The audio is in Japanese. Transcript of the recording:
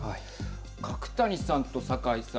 角谷さんと酒井さん